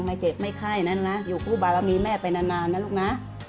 ไม่เจ็บไม่ไข้นั้นนะอยู่คู่บารมีแม่ไปนานนะลูกนะ